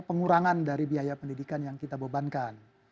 pengurangan dari biaya pendidikan yang kita bebankan